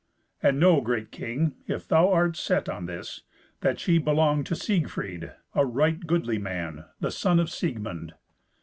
And know, great king, if thou art set on this, that she belonged to Siegfried, a right goodly man, the son of Siegmund.